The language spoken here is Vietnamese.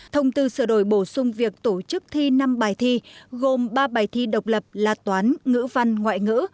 thông tư sửa đổi bổ sung việc tổ chức thi năm bài thi gồm ba bài thi độc lập là toán ngữ văn ngoại ngữ